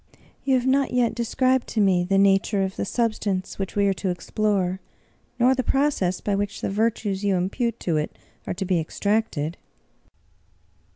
"You have not yet described to me the nature of the substance which we are to explore, nor the proc ess by which the virtues you impute to it are to be extracted."